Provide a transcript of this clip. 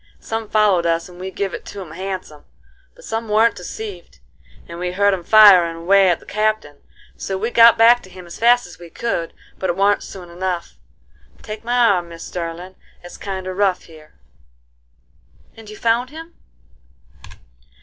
Some followed us and we give it to 'em handsome. But some warn't deceived, and we heard 'em firin' away at the Captain; so we got back to him as fast as we could, but it warn't soon enough.—Take my arm, Mis' Sterlin': it's kinder rough here." "And you found him?"